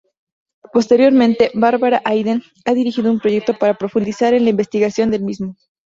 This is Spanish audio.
Posteriormente, Bárbara Hayden ha dirigido un proyecto para profundizar en la investigación del mismo.